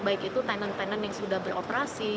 baik itu tenant tenant yang sudah beroperasi